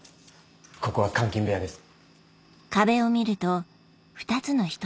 ここは監禁部屋です。